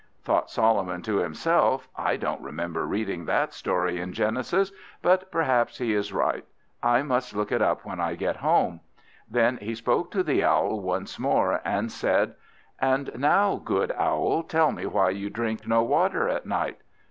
Thought Solomon to himself, "I don't remember reading that story in Genesis, but perhaps he is right. I must look it up when I get home." Then he spoke to the Owl once more, and said "And now, good Owl, tell me why you drink no water at night?"